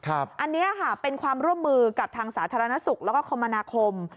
อันนี้ค่ะเป็นความร่วมมือกับทางสาธารณสุขแล้วก็คมนาคม